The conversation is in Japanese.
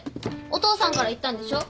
お父さんから言ったんでしょ？